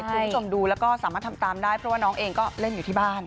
คุณผู้ชมดูแล้วก็สามารถทำตามได้เพราะว่าน้องเองก็เล่นอยู่ที่บ้าน